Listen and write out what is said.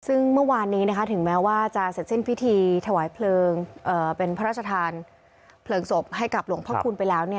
ซึ่งเมื่อวานนี้ถึงแม้ว่าจะเสร็จสิ้นพิธีถวายเพลิงเป็นพระราชทานเพลิงศพให้กับหลวงพ่อคุณไปแล้ว